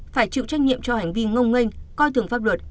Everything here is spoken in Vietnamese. phải chịu trách nhiệm cho hành vi ngông nghênh coi thường pháp luật